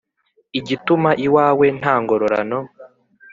igituma iwawe nta ngororano